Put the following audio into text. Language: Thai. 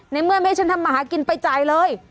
ในเมื่อไม่ให้ฉันทำมาหากินไปจ่ายเลย